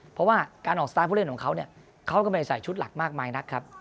เพราะว่าการออกสไตล์ผู้เล่นของเขาเนี่ยเขาก็ไม่ได้ใส่ชุดหลักมากมายนักครับ